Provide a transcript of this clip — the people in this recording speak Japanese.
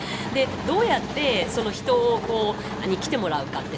どうやって人に来てもらうかって